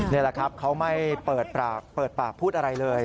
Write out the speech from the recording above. นี่แหละครับเขาไม่เปิดปากพูดอะไรเลย